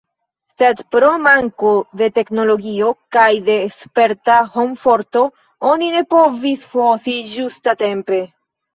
Sed pro manko de teknologio kaj de sperta homforto oni ne povis fosi ĝustatempe.